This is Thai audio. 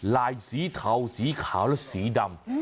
ลายสีเทาสีขาวและสีดำ